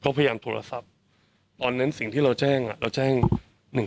เขาพยายามโทรศัพท์ตอนนั้นสิ่งที่เราแจ้งอ่ะเราแจ้ง๑๒